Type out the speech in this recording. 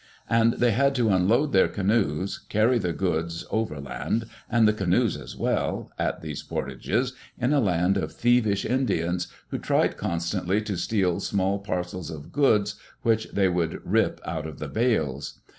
And they had to unload their canoes, carry the goods overland, and the canoes as well, at these portages, in a land of thievish Indians, who tried constantly to steal small par cels of goods which they would rip out of the bales.